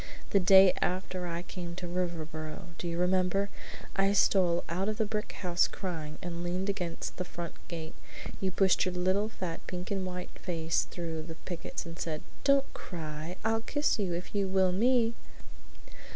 The next day after I came to Riverboro, do you remember, I stole out of the brick house crying, and leaned against the front gate. You pushed your little fat pink and white face through the pickets and said: Don't cry! I'll kiss you if you will me!'"